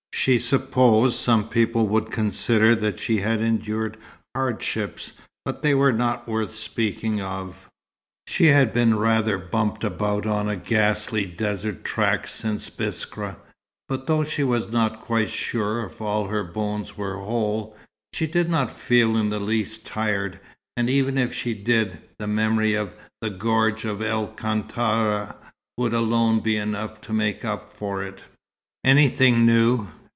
She supposed some people would consider that she had endured hardships, but they were not worth speaking of. She had been rather bumped about on the ghastly desert tracks since Biskra, but though she was not quite sure if all her bones were whole, she did not feel in the least tired; and even if she did, the memory of the Gorge of El Kantara would alone be enough to make up for it. "Anything new?"